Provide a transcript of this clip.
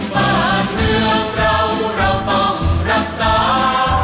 บ้านเมืองเราเราต้องรักษา